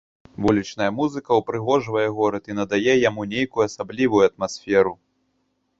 Вулічная музыка ўпрыгожвае горад і надае яму нейкую асаблівую атмасферу.